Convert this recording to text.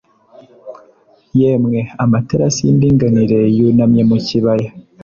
Yemwe amaterasi y'indinganire yunamye mu kibaya! ...